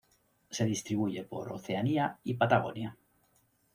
Se distribuye por Oceanía y Patagonia.